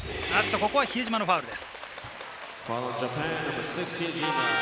ここは比江島のファウルです。